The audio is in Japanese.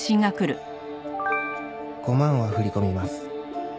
「５万は振り込みます」